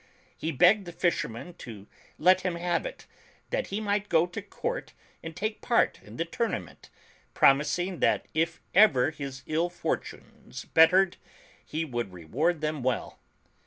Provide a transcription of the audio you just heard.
He begged the fishermen to let him have it, that he might go to Court and take part in the tournament, promising that if ever his ill fortunes bet tered, he would reward them well.